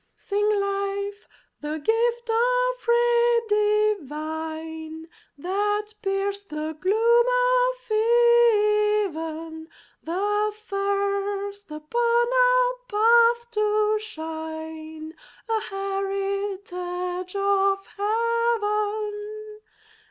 Sing life, the gift of ray divine That pierced the gloom of even; The first upon our path to shine, A heritage of Heaven!